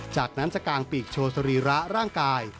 จากนั้นจะกางปีกโชว์สรีระร่างกาย